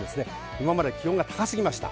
今まで気温が高すぎました。